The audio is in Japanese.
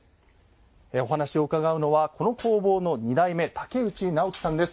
お話を伺うのはこの工房の二代目竹内直希さんです。